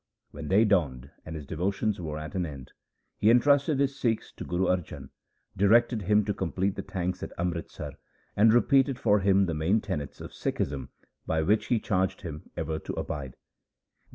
When day dawned and his devotions were at an end, he entrusted his Sikhs to Guru Arjan, directed him to complete the tanks at Amritsar, and repeated for him the main tenets of Sikhism by which he charged him ever to abide.